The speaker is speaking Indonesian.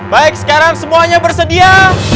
baik sekarang semuanya bersedia